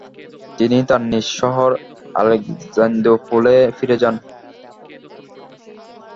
তিনি তার নিজ শহর আলেকজান্দ্রোপোলে ফিরে যান।